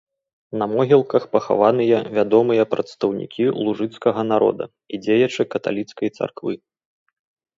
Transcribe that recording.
На могілках пахаваныя вядомыя прадстаўнікі лужыцкага народа і дзеячы каталіцкай царквы.